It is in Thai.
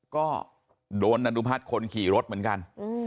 ก็โดนดันุพัฒน์คนขี่รถเหมือนกัน